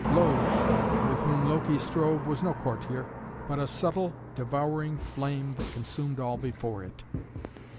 "Loge, with whom Loki strove, was no courtier, but a subtle devouring flame that consumed all before it."